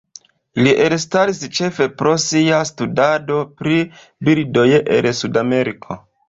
Li elstaris ĉefe pro sia studado pri birdoj el Sudameriko.